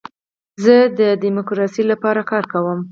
زه د ډیموکراسۍ لپاره کار کوم.